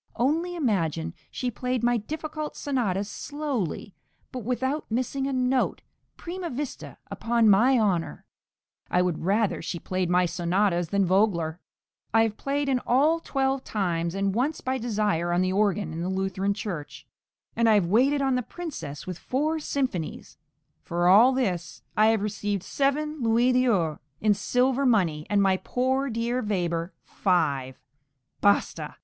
Only imagine, she played my difficult sonatas slowly, but without missing a note, prima vista, upon my honour. I would rather she played my sonatas than Vogler. I have played in all twelve times, and once by desire on the organ in the Lutheran church, and I have waited on the Princess with four symphonies; for all this I have received seven louis d'ors in silver money, and my poor dear Weber five basta!